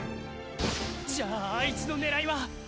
じゃあアイツの狙いは。